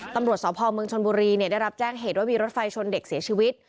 ตำรวจสพเมืองชนบุรีได้รับแจ้งเหตุว่ามีรถไฟชนเด็กเสียชีวิต